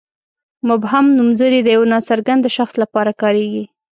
مبهم نومځري د یوه ناڅرګند شخص لپاره کاریږي.